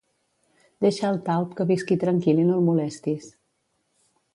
Deixa al talp que visqui tranquil i no el molestis